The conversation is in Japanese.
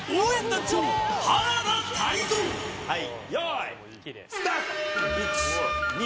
はい用意スタート。